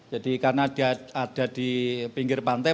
jadi karena ada di pinggir pantai